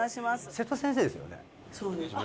瀬戸先生ですよね？